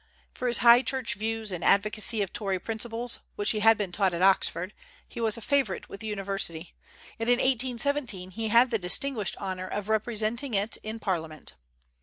For his High Church views and advocacy of Tory principles, which he had been taught at Oxford, he was a favorite with the university; and in 1817 he had the distinguished honor of representing it in Parliament.